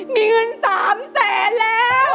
มีเงิน๓แสนแล้ว